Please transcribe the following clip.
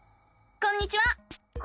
こんにちは。